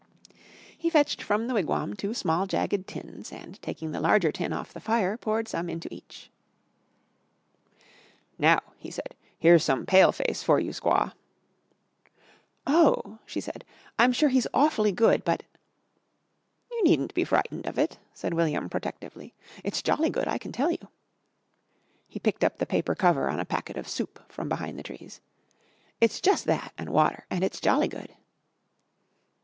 He fetched from the "wigwam" two small jagged tins and, taking the larger tin off the fire, poured some into each. "Now," he said, "here's some Pale face for you, squaw." "Oh," she said, "I'm sure he's awfully good, but " "You needn't be frightened of it," said William protectively. "It's jolly good, I can tell you." He picked up the paper cover of a packet of soup from behind the trees. "It's jus' that and water and it's jolly good!"